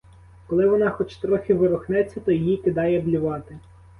Коли вона хоч трохи ворухнеться, то її кидає блювати.